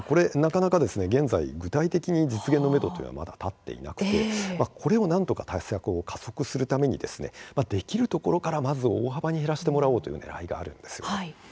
なかなか現在、実現のめどというのは立っていなくてこれをなんとか対策を加速するためにできるところからまず大幅に減らしてもらおうというねらいがあるんです。